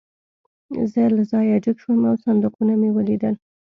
زه له ځایه جګ شوم او صندوقونه مې ولیدل